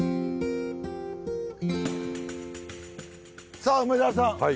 さあ梅沢さん